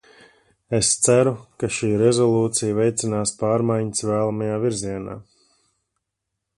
Es ceru, ka šī rezolūcija veicinās pārmaiņas vēlamajā virzienā.